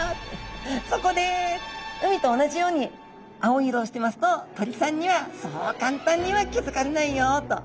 そこで海と同じように青い色をしていますと鳥さんにはそう簡単には気付かれないよっと。